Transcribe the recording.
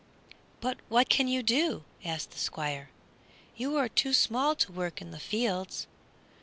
"But what can you do?" asked the Squire; "you are too small to work in the fields."